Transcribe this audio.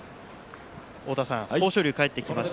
豊昇龍が帰ってきました。